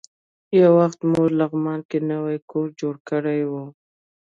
یو وخت موږ لغمان کې نوی کور جوړ کړی و.